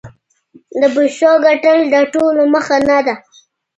د پیسو ګټل د ټولو موخه نه ده.